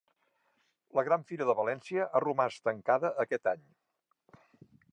La Gran Fira de València ha romàs tancada aquest any